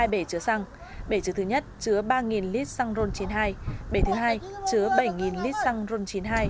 hai bể chứa xăng bể chứa thứ nhất chứa ba lít xăng ron chín mươi hai bể thứ hai chứa bảy lít xăng ron chín mươi hai